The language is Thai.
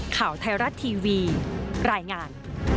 ข่าวไทยรัฐทีวีรายงาน